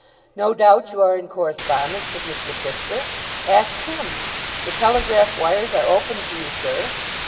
No doubt you are in correspondence with Mr. Fisker. Ask him. The telegraph wires are open to you, sir.